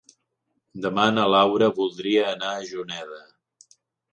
Demà na Laura voldria anar a Juneda.